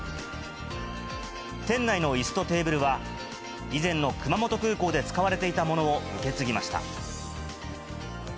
店内のいすとテーブルは、以前の熊本空港で使われていたものを受け継ぎました。